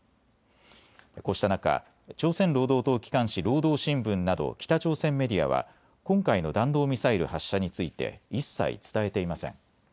こうした中、朝鮮労働党機関紙、労働新聞など北朝鮮メディアは今回の弾道ミサイル発射について一切、伝えていません。